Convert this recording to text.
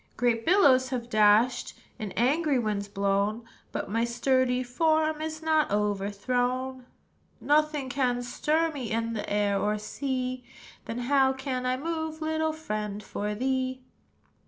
"Great billows have dashed, And angry winds blown; But my sturdy form Is not overthrown. "Nothing can stir me In the air or sea; Then, how can I move, Little friend, for thee?"